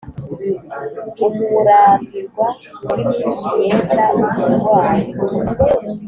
umurambirwa w'iminsi yenda umurwayì.